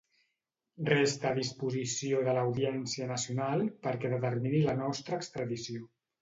Resta a disposició de l'Audiència Nacional perquè determini la nostra extradició.